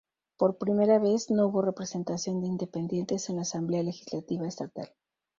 Por primera vez, no hubo representación de independientes en la Asamblea Legislativa Estatal.